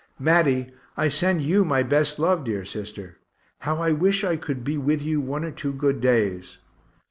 Matty, I send you my best love, dear sister how I wish I could be with you one or two good days.